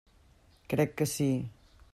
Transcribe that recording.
Crec que sí.